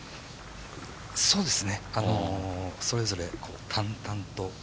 そうですね、それぞれ淡々と。